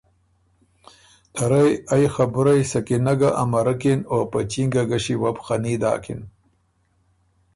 ته رئ ائ خبُرئ سکینه ګه امرکِن او په چینګه ګݭی وه بو خني داکِن